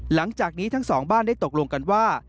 หลังจากนี้ทั้งสองบ้านได้ตกลงกันว่า